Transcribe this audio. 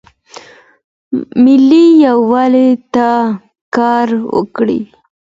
ملي یووالي ته کار وکړئ.